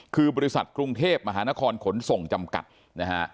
คือบริษัทกรุงเทพมหานครขนส่งจำกัดนะฮะ